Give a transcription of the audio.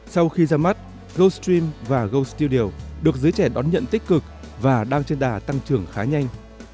sau khi ra mắt goldstream và goldstudio được giới trẻ đón nhận tích cực và đang trên đà tăng trưởng khá nhanh